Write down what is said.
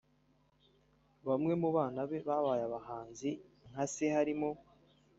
Bamwe mu bana be babaye abahanzi nka se harimo